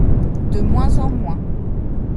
De moins en moins.